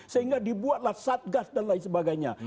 sehingga dibuatlah satgas dan lain sebagainya